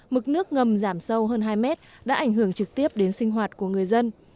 mực nước ngầm giảm sâu hơn hai mét đã ảnh hưởng trực tiếp đến sinh hoạt của người dân